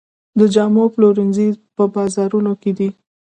د جامو پلورنځي په بازارونو کې دي